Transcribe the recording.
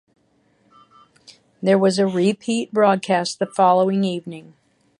There was a repeat broadcast the following evening.